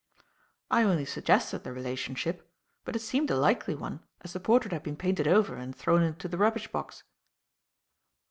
"I only suggested the relationship; but it seemed a likely one as the portrait had been painted over and thrown into the rubbish box."